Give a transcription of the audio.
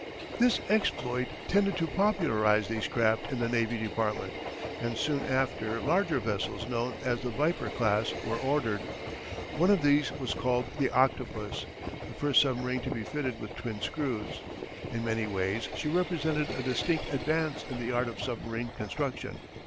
This exploit tended to popularize these craft in the Navy Department, and soon after larger vessels known as the "Viper" class were ordered. One of these was called the Octopus, the first submarine to be fitted with twin screws. In many ways she represented a distinct advance in the art of submarine construction.